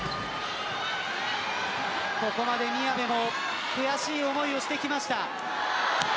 ここまで宮部も悔しい思いをしてきました。